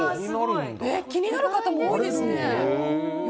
気になる方も多いですね。